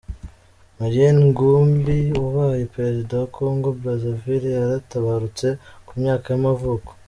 Marien Ngouabi, wabaye perezida wa Kongo Brazzaville yaratabarutse, ku myaka y’amavuko.